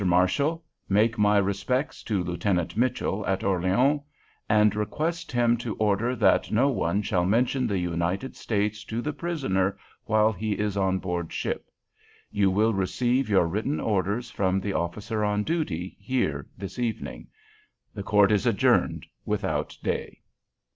Marshal, make my respects to Lieutenant Mitchell at Orleans, and request him to order that no one shall mention the United States to the prisoner while he is on board ship. You will receive your written orders from the officer on duty here this evening. The Court is adjourned without day."